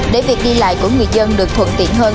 để việc đi lại của người dân được thuận tiện hơn